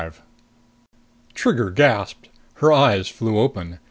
25 Trigger gasped. Her eyes flew open.